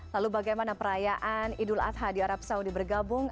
lalu bagaimana perayaan idul adha di arab saudi bergabung